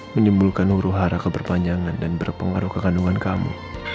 menimbulkan huru hara keberpanjangan dan berpengaruh kekandungan kamu